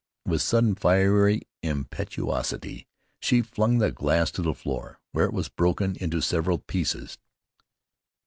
With a sudden fiery impetuosity she flung the glass to the floor, where it was broken into several pieces.